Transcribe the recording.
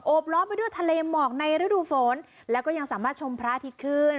ล้อมไปด้วยทะเลหมอกในฤดูฝนแล้วก็ยังสามารถชมพระอาทิตย์ขึ้น